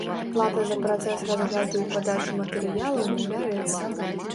Плата за працэс разгляду і падачу матэрыялаў не бярэцца.